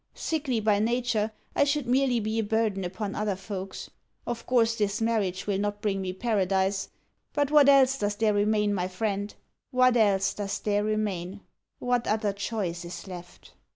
Sickly by nature, I should merely be a burden upon other folks. Of course this marriage will not bring me paradise, but what else does there remain, my friend what else does there remain? What other choice is left?